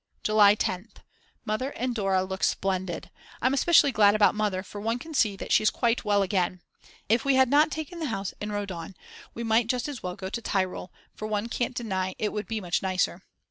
July 10th. Mother and Dora look splendid; I'm especially glad about Mother; for one can see that she is quite well again. If we had not taken the house in Rodaun, we might just as well go to Tyrol, for one can't deny it would be much nicer.